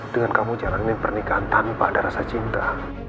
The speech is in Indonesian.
dengan kamu jalanin pernikahan tanpa ada rasa cinta